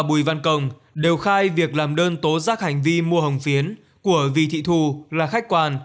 vì văn công đều khai việc làm đơn tố giác hành vi mua hồng phiến của vì thị thu là khách quan